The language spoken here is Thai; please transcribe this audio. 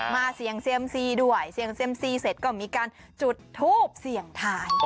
เสี่ยงเซียมซีด้วยเสี่ยงเซียมซีเสร็จก็มีการจุดทูบเสี่ยงทาย